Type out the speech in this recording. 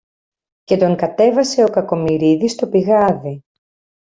και τον κατέβασε ο Κακομοιρίδης στο πηγάδι.